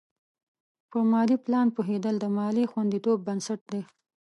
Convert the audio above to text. په مالي پلان پوهېدل د مالي خوندیتوب بنسټ دی.